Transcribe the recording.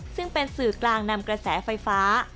ซึ่งเป็นสื่อกลางนำกระแสไฟฟ้า